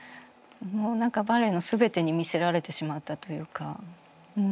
何かバレエの全てに魅せられてしまったというか。